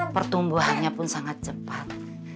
pertumbuhannya pun sangat cepat